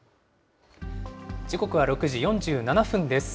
時刻は６時４７分です。